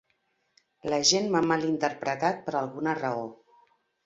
La gent m'ha malinterpretat per alguna raó.